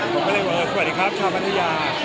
ผมก็เลยว่าสวัสดีครับชาวภัทยา